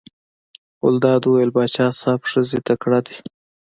ګلداد وویل: پاچا صاحب ښځې تکړې دي.